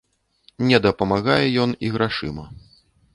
Не дапамагае ён і грашыма.